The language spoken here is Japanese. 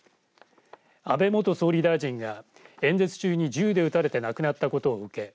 安倍元総理大臣が演説中に銃で撃たれて亡くなったことを受け